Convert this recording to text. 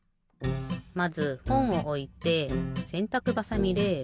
まずほんをおいてせんたくばさみレール。